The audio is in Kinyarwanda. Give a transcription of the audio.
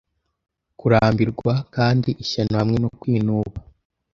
Kurambirwa kandi ishyano hamwe no kwinuba